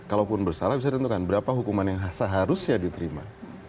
kalaupun bersalah bisa ditentukan berapa hukuman yang seharusnya diterima